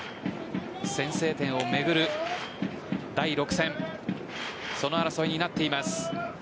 先制点を巡る第６戦その争いになっています。